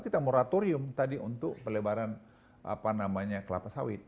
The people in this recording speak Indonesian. kita moratorium tadi untuk pelebaran kelapa sawit